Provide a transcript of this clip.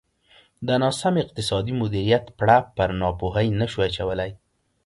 د ناسم اقتصادي مدیریت پړه پر ناپوهۍ نه شو اچولای.